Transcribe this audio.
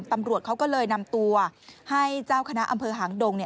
ตำรวจเขาก็เลยนำตัวให้เจ้าคณะอำเภอหางดง